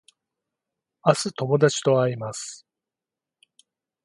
明日友達と会います